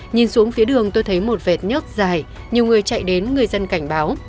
nhìn xuống phía đường tôi thấy một vệt nhớt dài nhiều người chạy đến người dân cảnh báo